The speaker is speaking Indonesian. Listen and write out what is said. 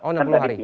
oh enam puluh hari